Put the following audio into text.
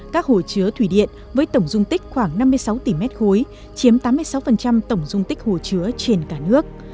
các hồ chứa thủy điện với tổng dung tích khoảng năm mươi sáu tỷ m ba chiếm tám mươi sáu tổng dung tích hồ chứa trên cả nước